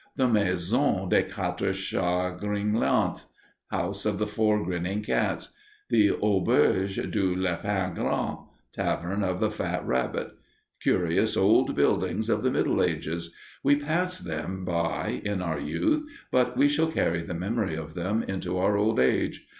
The Maison des Quatres Chats Gringnants [House of the Four Grinning Cats], the Auberge du Lapin Gras [Tavern of the Fat Rabbit], curious old buildings of the Middle Ages we passed them by in our youth, but we shall carry the memory of them into our old age.